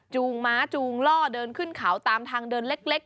ม้าจูงล่อเดินขึ้นเขาตามทางเดินเล็ก